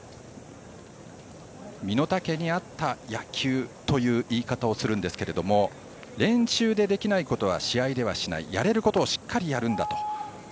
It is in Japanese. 身の丈に合った野球という言い方をするんですけど練習でできないことは試合ではしないやれることをしっかりやるんだと。